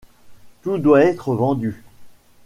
Tout doit être vendu.